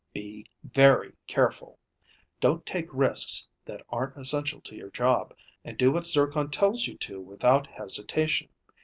Be very careful. Don't take risks that aren't essential to your job. And do what Zircon tells you to without hesitation.